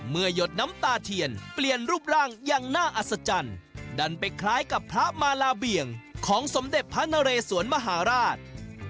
หยดน้ำตาเทียนเปลี่ยนรูปร่างอย่างน่าอัศจรรย์ดันไปคล้ายกับพระมาลาเบี่ยงของสมเด็จพระนเรสวนมหาราช